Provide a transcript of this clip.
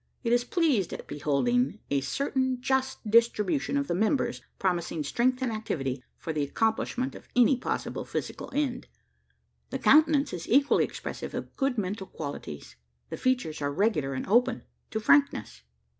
It is pleased at beholding a certain just distribution of the members promising strength and activity for the accomplishment of any possible physical end. The countenance is equally expressive of good mental qualities. The features are regular and open, to frankness.